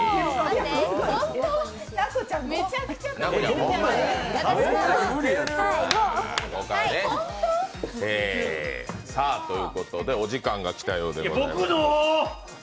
奈子ちゃん、めちゃくちゃ食べてるじゃん。ということでお時間がきたようでございます。